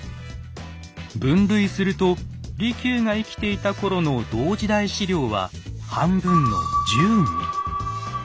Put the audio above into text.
分類すると利休が生きていた頃の「同時代史料」は半分の１０に。